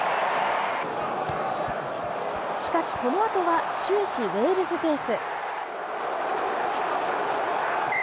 しかしこのあとは、終始ウェールズペース。